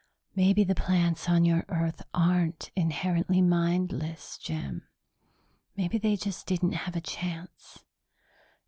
Maybe the plants on your Earth aren't inherently mindless, Jim. Maybe they just didn't have a chance.